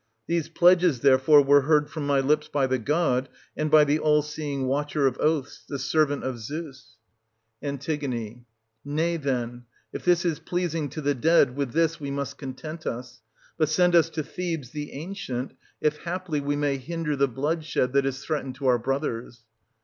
These pledges, therefore, were heard from my lips by the god, and by the ail seeing Watcher of oaths, the servant of Zeus. 1768— 1779] OEDIPUS AT COLONUS. 123 An. Nay, then, if this is pleasing to the dead, with this we must content us. But send us to Thebes the 1770 ancient, if haply we may hinder the bloodshed that is threatened to our brothers.